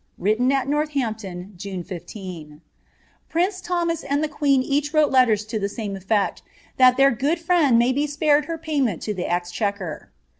Written at Northampton, June 15.^'* Prince Thomas and the queen each wrote letters to the same efiect, that their good friend may be spared her payment to the exchequer.